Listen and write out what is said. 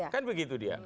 kan begitu dia